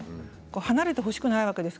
離れてほしくないわけです